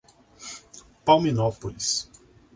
Palminópolis